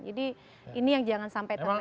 jadi ini yang jangan sampai terlewat